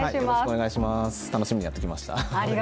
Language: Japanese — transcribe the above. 楽しみにやってきました。